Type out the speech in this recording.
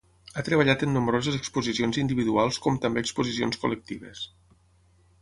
Ha treballat en nombroses exposicions individuals com també exposicions col·lectives.